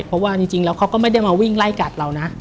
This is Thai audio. เพราะว่าจริงแล้วเขาก็ไม่ได้มาวิ่งไล่กัดเรานะ